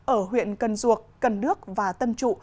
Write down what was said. ở huyện cần ruộc cần nước và tân trụ